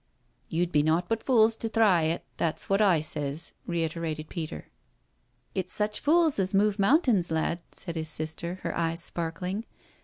" You'd be nought but fools to thry it, that's wot I sez," reiterated Peter. " It's such fools as move mountains, lad," said his sister, her eyes sparkling.